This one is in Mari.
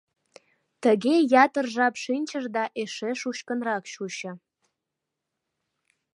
Тыге ятыр жап шинчыш да эше шучкынрак чучо.